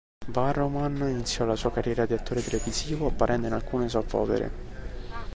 Barrowman iniziò la sua carriera di attore televisivo apparendo in alcune soap opere.